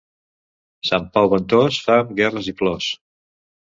Sant Pau ventós, fam, guerres i plors.